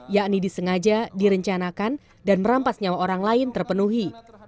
yakni disengaja direncanakan dan merampas nyawa orang lain terpenuhi